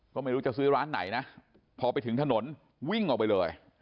ก็ไม่รู้จะซื้อร้านไหนนะพอไปถึงถนนวิ่งออกไปเลย